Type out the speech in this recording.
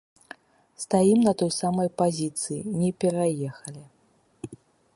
Стаім на той самай пазіцыі, не пераехалі.